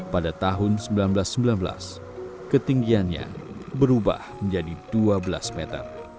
pada tahun seribu sembilan ratus sembilan belas ketinggiannya berubah menjadi dua belas meter